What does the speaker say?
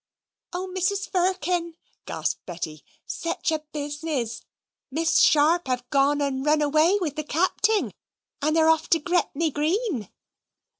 "Oh, Mrs. Firkin," gasped Betty, "sech a business. Miss Sharp have a gone and run away with the Capting, and they're off to Gretney Green!"